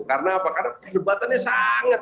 karena apa karena perdebatannya sangat